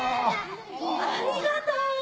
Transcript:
ありがとう！